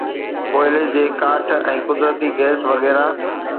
ڪوئلي جي ڪاٺ ۽ قدرتي گئس وغيره